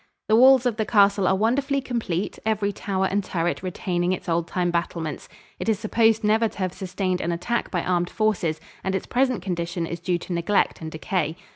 The walls of the castle are wonderfully complete, every tower and turret retaining its old time battlements. It is supposed never to have sustained an attack by armed forces and its present condition is due to neglect and decay.